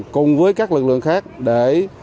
cùng với các lực lượng khác để